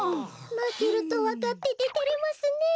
まけるとわかってててれますねえ。